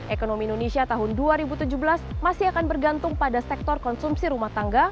ekonomi indonesia tahun dua ribu tujuh belas masih akan bergantung pada sektor konsumsi rumah tangga